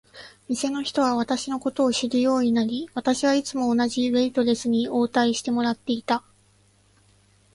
店の人は私のことを知るようになり、私はいつも同じウェイトレスに応対してもらっていた。